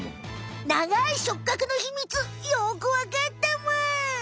長い触角のひみつよくわかったむ。